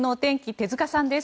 手塚さんです。